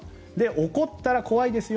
怒ったら怖いですよ